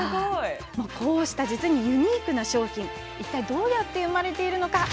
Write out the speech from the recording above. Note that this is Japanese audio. こうしたユニークな商品がどうやって生まれているのか。